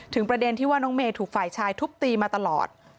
ประเด็นที่ว่าน้องเมย์ถูกฝ่ายชายทุบตีมาตลอด